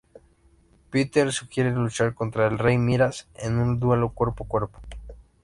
Peter sugiere luchar contra el rey Miraz en un duelo cuerpo a cuerpo.